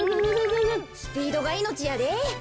スピードがいのちやで。